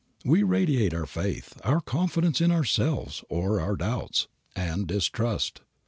We radiate our faith, our confidence in ourselves or our doubts, and distrust.